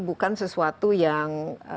bukan sesuatu yang